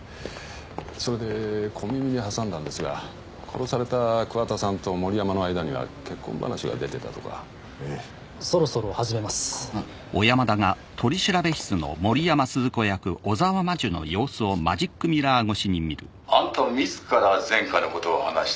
それで小耳に挟んだんですが殺された桑田さんと森山の間には結婚話が出てたとかええそろそろ始めますあんたはみずから前科のことを話したんだな？